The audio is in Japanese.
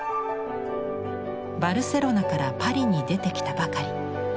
バルセロナからパリに出てきたばかり。